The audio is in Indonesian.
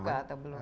buka atau belum